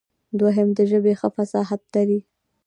دوهم د ژبې ښه فصاحت لري.